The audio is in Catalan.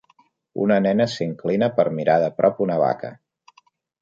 Una nena s'inclina per mirar de prop una vaca.